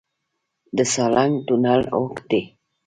د سالنګ تونل اوږد دی